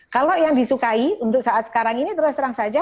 kalau yang disukai untuk saat sekarang ini terus terang saja